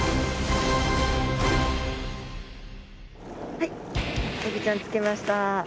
はいエビちゃんつけました。